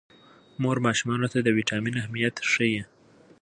مور ماشومانو ته د ویټامین اهمیت ښيي.